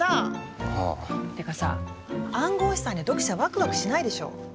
っていうかさ暗号資産じゃ読者ワクワクしないでしょ。